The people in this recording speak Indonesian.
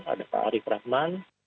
ada pak arief rahman